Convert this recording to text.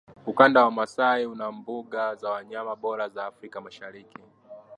ukanda wa wamaasai una mbuga za wanyama bora za afrika mashariki